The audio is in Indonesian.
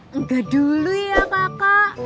enggak dulu ya kakak